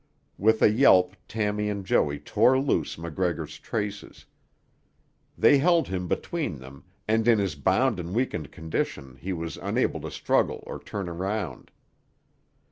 With a yelp Tammy and Joey tore loose MacGregor's traces. They held him between them, and in his bound and weakened condition he was unable to struggle or turn around.